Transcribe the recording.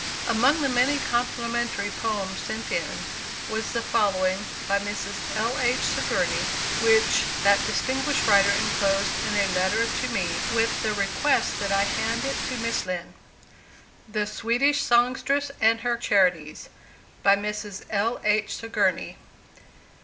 Among the many complimentary poems sent in, was the following, by Mrs. L. H. SIGOURNEY, which that distinguished writer enclosed in a letter to me, with the request that I should hand it to Miss Lind: THE SWEDISH SONGSTRESS AND HER CHARITIES. BY MRS. L. H. SIGOURNEY.